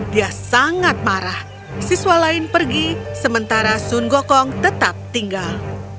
dia sangat marah siswa lain pergi sementara sun gokong tetap tinggal